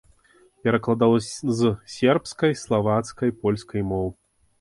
Перакладаў з сербскай, славацкай, польскай моў.